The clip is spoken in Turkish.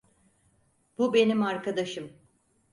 Bu benim arkadaşım.